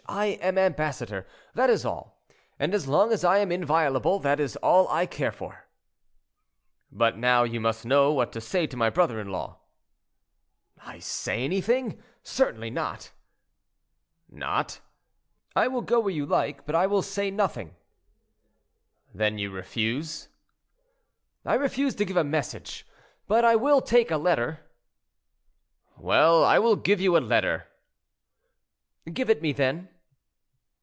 I am ambassador, that is all; and as long as I am inviolable, that is all I care for." "But now you must know what to say to my brother in law." "I say anything! Certainly not." "Not?" "I will go where you like, but I will say nothing." "Then you refuse?" "I refuse to give a message, but I will take a letter." "Well, I will give you a letter." "Give it me, then."